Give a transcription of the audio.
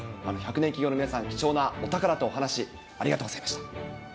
１００年企業の皆さん、貴重なお宝とお話、ありがとうございました。